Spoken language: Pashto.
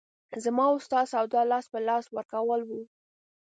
زما او ستا سودا لاس په لاس ورکول وو.